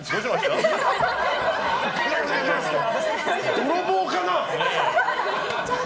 泥棒かな？